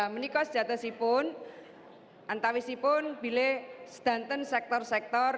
meniko sejata sipun antawisi pun bilik sedangkan sektor sektor